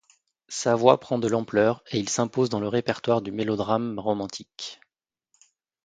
Sa voix prend de l'ampleur et il s'impose dans le répertoire du mélodramme romantique.